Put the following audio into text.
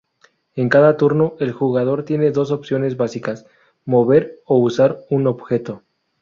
En cada turno el jugador tiene dos opciones básicas: moverse o usar un objeto.